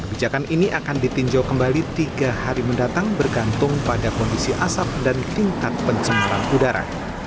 kebijakan ini akan ditinjau kembali tiga hari mendatang bergantung pada kondisi asap dan tingkat pencemaran udara